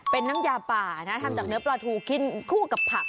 เป็นน้ำยาป่านะทำจากเนื้อปลาทูกินคู่กับผัก